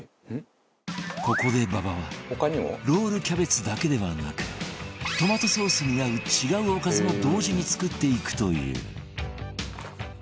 ここで馬場はロールキャベツだけではなくトマトソースに合う違うおかずも同時に作っていくという